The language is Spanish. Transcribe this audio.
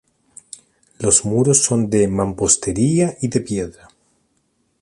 Los muros son de mampostería y de piedra.